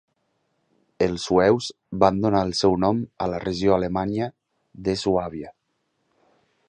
Els sueus van donar el seu nom a la regió alemanya de Suàbia.